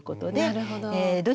なるほど。